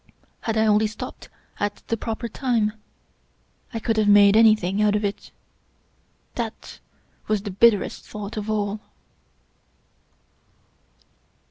' Had I only stopped at the proper time, I could have made anything out of it. That was the bitterest thought of all